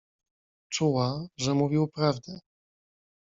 "Czuła, że mówił prawdę."